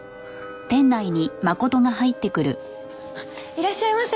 いらっしゃいませ。